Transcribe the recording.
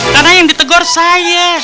karena yang ditegor saya